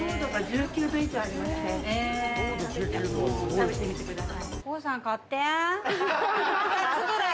食べてみてください。